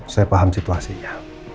saya paham situasinya